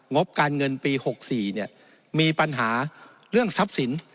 งบการเงินปี๖๔มีปัญหาเรื่องทรัพย์สิน